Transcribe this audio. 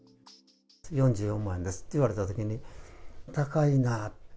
４４万円ですって言われたときに、高いな。